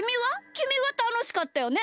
きみはたのしかったよね？